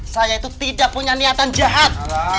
saya itu tidak punya niatan jahat